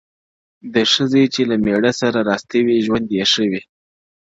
د ښځي چې له مېړه سره راستي وي، ژوند یې ښه وي -